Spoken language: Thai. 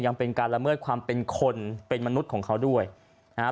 ยังเป็นการละเมิดความเป็นคนเป็นมนุษย์ของเขาด้วยนะฮะ